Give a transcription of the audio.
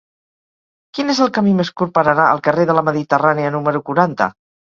Quin és el camí més curt per anar al carrer de la Mediterrània número quaranta?